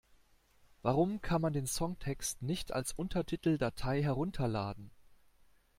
Warum kann man den Songtext nicht als Untertiteldatei herunterladen?